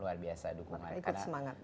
luar biasa dukungan